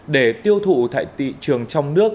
để tiêu thụ tại thị trường trong nước